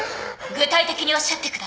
具体的におっしゃってください。